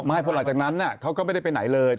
ไม่ผู้หลักจากนั้นเนี่ยเขาก็ไม่ได้ไปไหนเลย